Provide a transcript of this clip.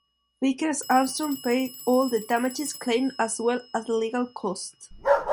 Vickers Armstrong paid all of the damages claimed as well as the legal costs.